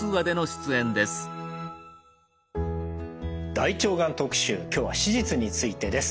「大腸がん特集」今日は手術についてです。